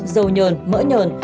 dầu nhờn mỡ nhờn